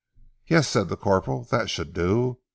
"Yes," said the corporal, "that should do.